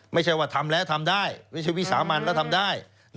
ไม่ใช่ว่าทำแล้วทำได้ไม่ใช่วิสามันแล้วทำได้